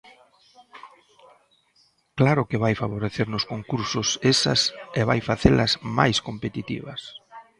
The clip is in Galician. Claro que vai favorecer nos concursos esas e vai facelas máis competitivas.